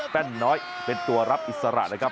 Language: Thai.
แป้นน้อยเป็นตัวรับอิสระนะครับ